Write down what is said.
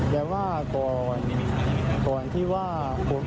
แต่ว่าก่อนที่ว่าผม